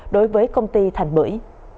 đối với công ty thành bưởi